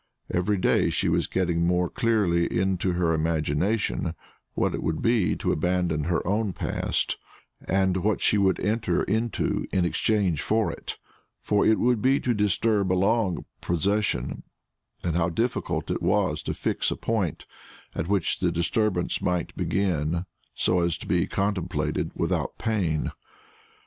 Every day she was getting more clearly into her imagination what it would be to abandon her own past, and what she would enter into in exchange for it; what it would be to disturb a long possession, and how difficult it was to fix a point at which the disturbance might begin, so as to be contemplated without pain.